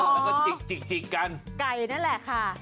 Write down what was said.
แล้วก็จิกกันค่ะไก่นั่นแหละค่ะ